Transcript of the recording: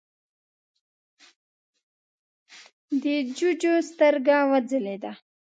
د جُوجُو سترګه وځلېده: